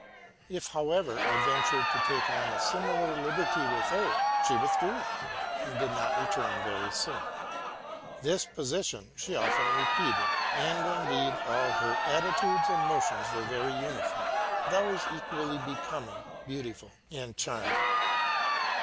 If, however, I ventured to take on a similar liberty with her, she withdrew, and did not return very soon. 'This position she often repeated; and, indeed, all her attitudes and motions were very uniform, but always equally becoming, beautiful, and charming.